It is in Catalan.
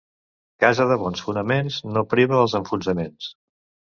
Casa de bons fonaments no priva els enfonsaments.